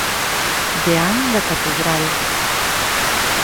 Deán da catedral.